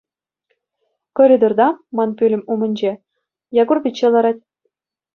Коридорта, ман пӳлӗм умӗнче, Якур пичче ларать.